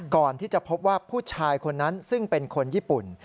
ก่อนที่จะพบว่าผู้ชายคนนั้นซึ่งเป็นคนญี่ปุ่น